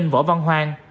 võ văn hoàng